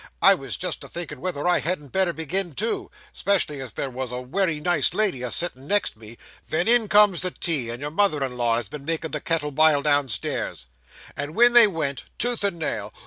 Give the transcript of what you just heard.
I was just a thinkin' whether I hadn't better begin too 'specially as there was a wery nice lady a sittin' next me ven in comes the tea, and your mother in law, as had been makin' the kettle bile downstairs. At it they went, tooth and nail.